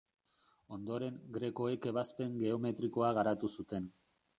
Ondoren, grekoek ebazpen geometrikoa garatu zuten.